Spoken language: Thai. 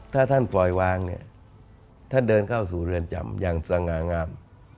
ถ้าท่านปล่อยวางเนี่ยท่านเดินเข้าสู่เรือนจำอย่างสง่างาม